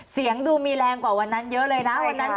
เสียงดูมีแรงกว่าวันนั้นเยอะเลยนะ